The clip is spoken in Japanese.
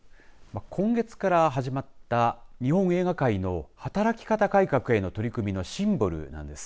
今月から始まった日本映画界の働き方改革への取り組みのシンボルなんです。